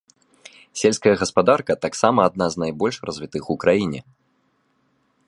Сельская гаспадарка таксама адна з найбольш развітых у краіне.